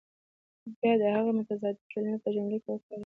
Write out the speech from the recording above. بیا دې هغه متضادې کلمې په جملو کې وکاروي.